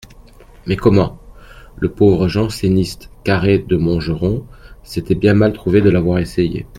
Mais comment ? Le pauvre janséniste Carré de Montgeron s'était bien mal trouvé de l'avoir essayé.